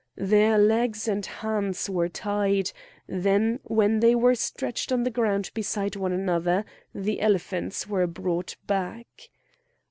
Their legs and hands were tied; then when they were stretched on the ground beside one another the elephants were brought back.